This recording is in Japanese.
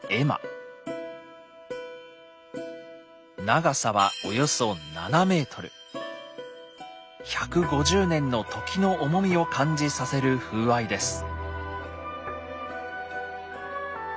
長さは１５０年の時の重みを感じさせる風合いです。